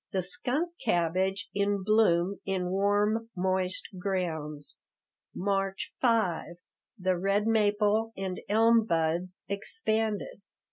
The skunk cabbage in bloom in warm, moist grounds. March 5 The red maple and elm buds expanded.